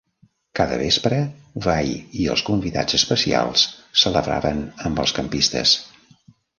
Cada vespre, Vai i els convidats especials celebraven amb els campistes.